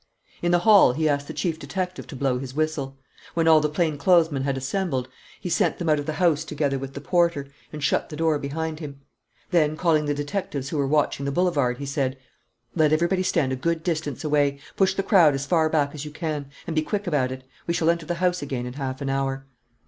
In the hall he asked the chief detective to blow his whistle. When all the plain clothesmen had assembled, he sent them out of the house together with the porter, and shut the door behind him. Then, calling the detectives who were watching the boulevard, he said: "Let everybody stand a good distance away; push the crowd as far back as you can; and be quick about it. We shall enter the house again in half an hour."